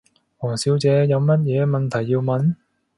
王小姐，有乜嘢問題要問？